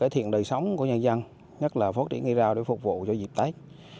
thiện đời sống của nhân dân nhất là phát triển cây rau để phục vụ cho dịp tết